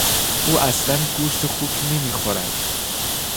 او اصلا گوشت خوک نمیخورد.